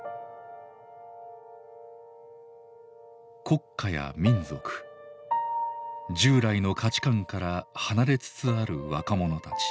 国家や民族従来の価値観から離れつつある若者たち。